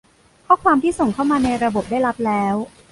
ข้อความที่ส่งเข้ามาในระบบได้รับแล้ว